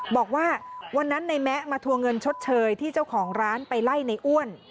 บอกว่าวันนั้นในแมะมาทัวร์เงินชดเชยที่เจ้าของร้านไปไล่ในอ้วน